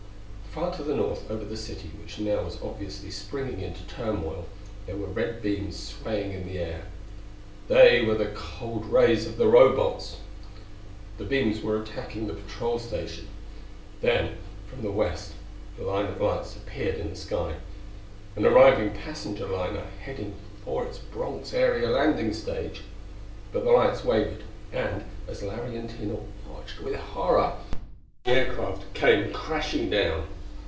Far to the north over the city which now was obviously springing into turmoil, there were red beams swaying in the air. They were the cold rays of the Robots! The beams were attacking the patrol station. Then from the west a line of lights appeared in the sky an arriving passenger liner heading for its Bronx area landing stage. But the lights wavered; and, as Larry and Tina watched with horror, the aircraft came crashing down.